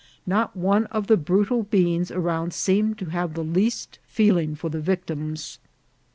Not one of the brutal beings around seemed to have the least feeling for the victims.